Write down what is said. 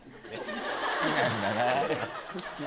好きなんだな。